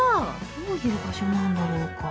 どういう場所なんだろうか？